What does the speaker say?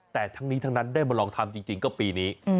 แต่ทั้งนี้ทั้งนั้นได้มาลองทำจริงก็ปีนี้